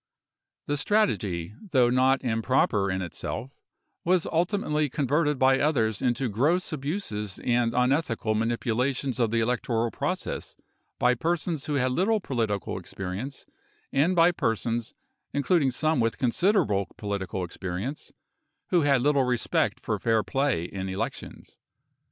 The strategy, though not improper in itself, was ultimately con verted by others into gross abuses and unethical manipulations of the electoral process by persons who had little political experience, and by i>e rsons, including some with considerable political experience, who had little respect for fair play in elections.